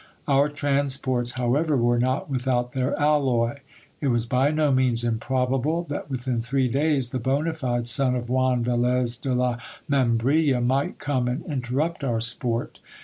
Our transports, however, were not without their alloy. It was by no means improbable that within three days the bona fide son of Juan Velez de la Membrilla ,might come and interrupt our sport.